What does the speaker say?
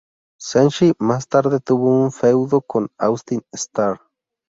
Senshi más tarde tuvo un feudo con Austin Starr.